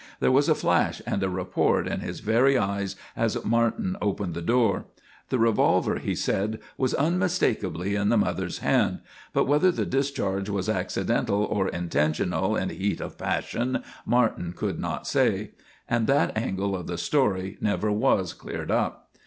There was a flash and a report in his very eyes as Martin opened the door. The revolver, he said, was unmistakably in the mother's hands; but whether the discharge was accidental or intentional in heat of passion, Martin could not say. And that angle of the story never was cleared up.